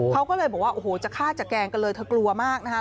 เขาก็เลยบอกว่าโอ้โหจะฆ่าจะแกล้งกันเลยเธอกลัวมากนะคะ